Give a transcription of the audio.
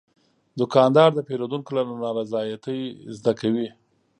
دوکاندار د پیرودونکو له نارضایتۍ زده کوي.